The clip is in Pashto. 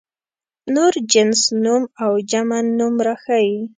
نور جنس نوم او جمع نوم راښيي.